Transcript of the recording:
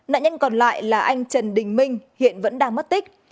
nạn nhân còn lại là anh trần đình minh hiện vẫn đang mất tích